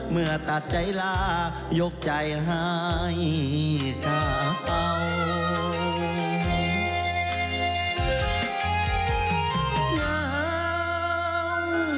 เมื่อตัดใจลายกใจให้สาว